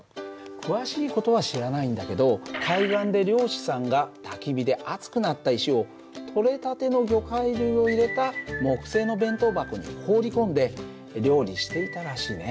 詳しい事は知らないんだけど海岸で漁師さんがたき火で熱くなった石を取れたての魚介類を入れた木製の弁当箱に放り込んで料理していたらしいね。